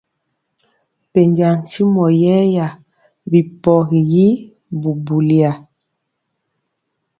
Pɛnja ntyimɔ yɛɛya bi pɔgi y bubuya ri.